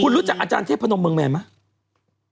คุณรู้จักอาจารย์เทพนมเมืองแมนไหม